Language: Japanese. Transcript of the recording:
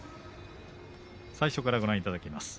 最初からご覧いただきます。